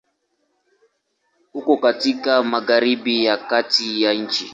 Uko katika Magharibi ya kati ya nchi.